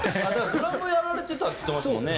ドラムやられてたって言ってましたもんね。